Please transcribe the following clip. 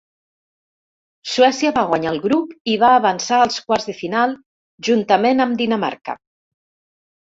Suècia va guanyar el grup i va avançar als quarts de final juntament amb Dinamarca.